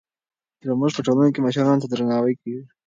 زموږ په ټولنه کې مشرانو ته درناوی کېږي.